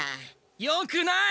よくない！